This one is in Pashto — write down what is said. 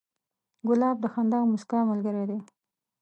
ګلاب د خندا او موسکا ملګری دی.